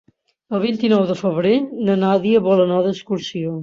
El vint-i-nou de febrer na Nàdia vol anar d'excursió.